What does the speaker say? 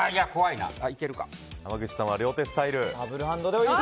濱口さんは両手スタイル。